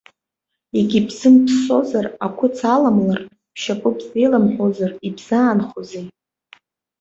Егьыбзымԥссозар, ақәыц аламлартә бшьапгьы бзеиламҳәозар, ибзаанхозеи?